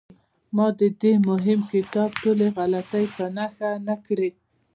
ما د دې مهم کتاب ټولې غلطۍ په نښه نه کړې.